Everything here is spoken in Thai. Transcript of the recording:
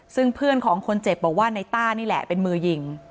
ซึ่งเพื่อนของคนเจ็บบอกว่าในต้านี่แหละเป็นมือยิง